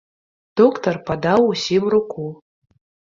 Доктар падаў усім руку.